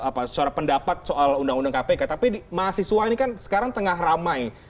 apa secara pendapat soal undang undang kpk tapi mahasiswa ini kan sekarang tengah ramai